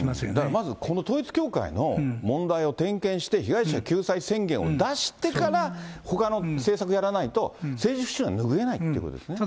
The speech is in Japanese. まず、この統一教会の問題を点検して、被害者救済宣言を出してから、ほかの政策やらないと、政治不信は拭えないってことですね。